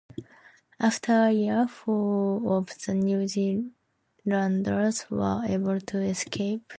After a year, four of the New Zealanders were able to escape.